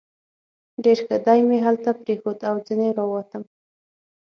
ډېر ښه، دی مې همدلته پرېښود او ځنې را ووتم.